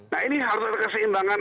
nah ini harus ada keseimbangan